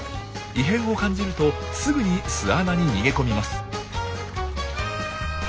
異変を感じるとすぐに巣穴に逃げ込みます。